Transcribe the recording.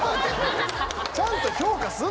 ちゃんと評価すん